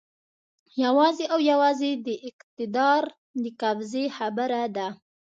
یوازې او یوازې د اقتدار د قبضې خبره ده.